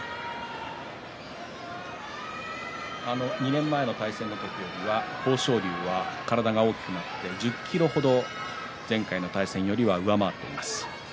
２年前の対戦時よりは豊昇龍は体が大きくなって１０ｋｇ程、前回の対戦より上回っています。